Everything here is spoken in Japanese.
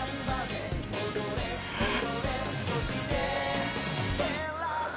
えっ。